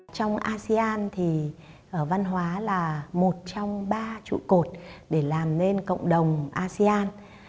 trong asean thì văn hóa là một trong ba trụ cột để làm nên cộng đồng asean